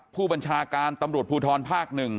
ผู้บัญชาการตำรวจภูทรภาค๑